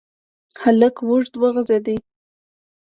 هلک اوږد وغځېد.